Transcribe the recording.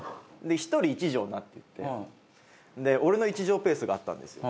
１人１畳になってて俺の１畳スペースがあったんですよ。